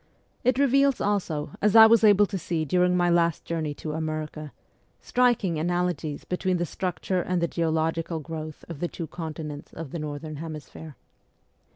It reveals, also, as I was able to see during my last journey to America, striking analogies between the structure and the geological growth of the two con tinents of the northern hemisphere.